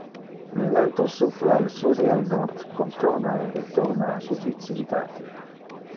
Le vento suffla al Sud e al Nord, contorna e retorna a su vicinitate.